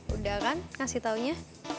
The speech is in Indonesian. udah kan ngasih taunya